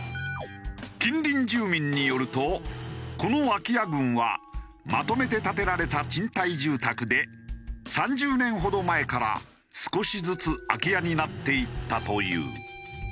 近隣住民によるとこの空き家群はまとめて建てられた賃貸住宅で３０年ほど前から少しずつ空き家になっていったという。